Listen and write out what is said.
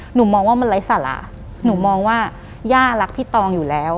หนูมองว่ามันไร้สาระหนูมองว่าย่ารักพี่ตองอยู่แล้ว